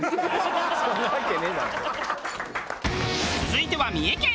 続いては三重県。